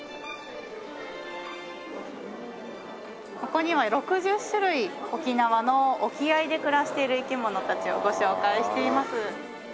ここには６０種類沖縄の沖合で暮らしている生き物たちをご紹介しています。